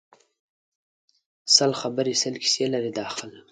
سل خبری سل کیسی لري دا خلک